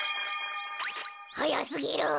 はやすぎる！